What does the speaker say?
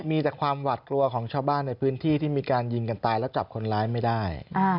มีแต่ความหวัดกลัวของชาวบ้านในพื้นที่ที่มีการยิงกันตายแล้วจับคนร้ายไม่ได้